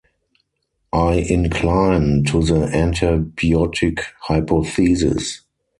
I incline to the antibiotic hypothesis.